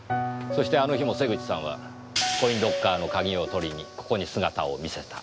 そしてあの日も瀬口さんはコインロッカーの鍵を取りにここに姿を見せた。